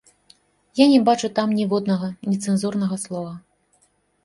Я не бачу там ніводнага нецэнзурнага слова.